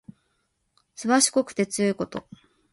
すばしこくて強いこと。